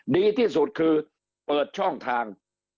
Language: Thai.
ดีที่สุดคือเปิดช่องทาง